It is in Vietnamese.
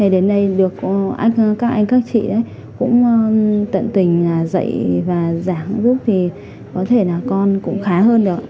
đến đây được các anh các chị cũng tận tình dạy và giảng giúp con cũng khá được